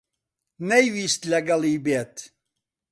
نەیویست لەگەڵی بێت.